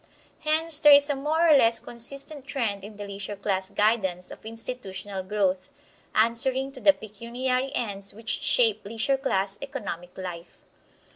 Hence there is a more or less consistent trend in the leisure class guidance of institutional growth, answering to the pecuniary ends which shape leisure class economic life.